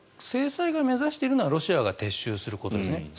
制裁が目指しているのはロシアが撤収することですね。